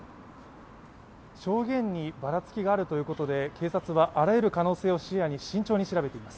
証言にばらつきがあるということで警察はあらゆる可能性を視野に慎重に調べています。